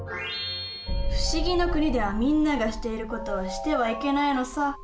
不思議の国ではみんながしている事はしてはいけないのさ。